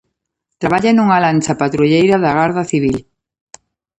Traballa nunha lancha patrulleira da Garda Civil.